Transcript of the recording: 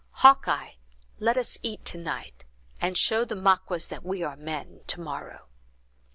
Hawkeye, let us eat to night, and show the Maquas that we are men to morrow."